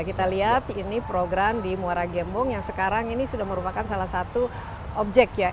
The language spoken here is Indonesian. kita lihat ini program di muara gembong yang sekarang ini sudah merupakan salah satu objek ya